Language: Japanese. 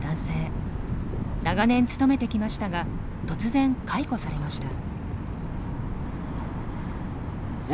長年勤めてきましたが突然解雇されました。